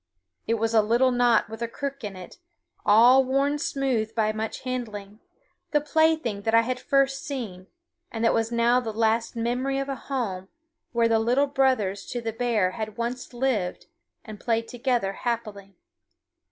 It was a little knot with a crook in it, all worn smooth by much handling the plaything that I had first seen, and that was now the last memory of a home where the Little Brothers to the Bear had once lived and played together happily.